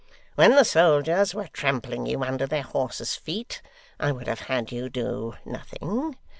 When the soldiers were trampling you under their horses' feet, I would have had you do nothing.